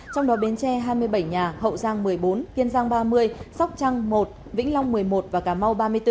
trong đó bến tre hai mươi bảy nhà hậu giang một mươi bốn kiên giang ba mươi sóc trăng một vĩnh long một mươi một và cà mau ba mươi bốn